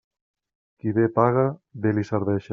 Qui bé paga, bé li serveixen.